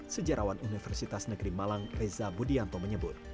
sejarawan universitas negeri malang reza budianto menyebut